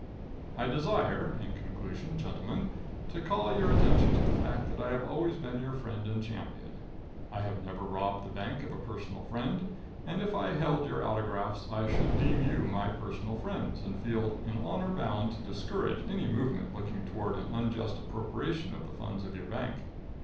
I desire, in conclusion, gentlemen, to call your attention to the fact that I have always been your friend and champion. I have never robbed the bank of a personal friend, and if I held your autographs I should deem you my personal friends, and feel in honor bound to discourage any movement looking toward an unjust appropriation of the funds of your bank.